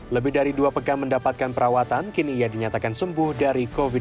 lebih dari dua pekan mendapatkan perawatan kini ia dinyatakan sembuh dari covid sembilan belas